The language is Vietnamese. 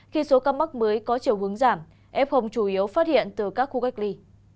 khi số ca mắc mới có chiều hướng giảm f chủ yếu phát hiện từ các khu cách ly